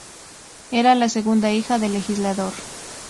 Era la segunda hija del legislador.